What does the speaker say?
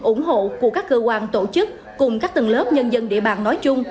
ủng hộ của các cơ quan tổ chức cùng các tầng lớp nhân dân địa bàn nói chung